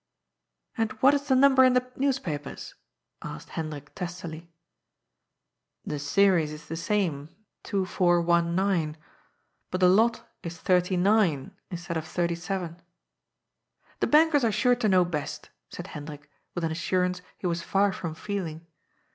" And what is the number in the newspapers ?" asked Hendrik testily. " The series is the same, 2419. But the lot is 39 instead of 37." "The bankers are sure to know best," said Hendrik with an assurance he was far from feeling.